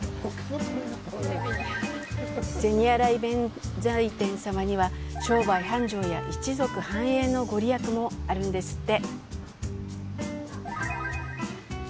銭洗弁財天さまには商売繁盛や一族繁栄のご利益もあるんですって。